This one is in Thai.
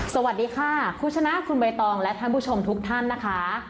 สวัสดีค่ะคุณชนะคุณใบตองและท่านผู้ชมทุกท่านนะคะ